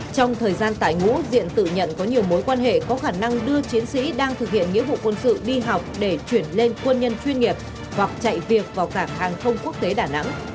trong thời gian tại ngũ diện tự nhận có nhiều mối quan hệ có khả năng đưa chiến sĩ đang thực hiện nghĩa vụ quân sự đi học để chuyển lên quân nhân chuyên nghiệp hoặc chạy việc vào cảng hàng không quốc tế đà nẵng